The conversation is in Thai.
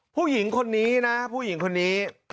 ผู้หญิงคนนี้นะผู้หญิงคนนี้